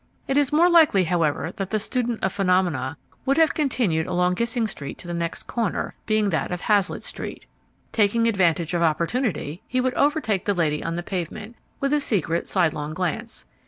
It is more likely, however, that the student of phenomena would have continued along Gissing Street to the next corner, being that of Hazlitt Street. Taking advantage of opportunity, he would overtake the lady on the pavement, with a secret, sidelong glance.